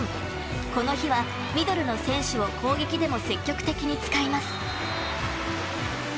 この日はミドルの選手を攻撃でも積極的に使います。